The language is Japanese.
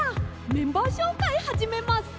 「メンバー紹介はじめます！」